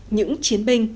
những chiến binh